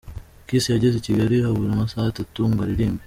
Kiss yageze i Kigali habura amasaha atatu ngo aririmbe.